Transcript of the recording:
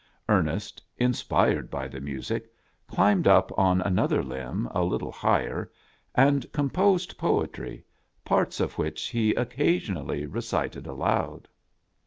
Ernest, inspired by the music, climbed up on another limb, a little higher, and" composed poetry, parts of which he occasionally recited aloud.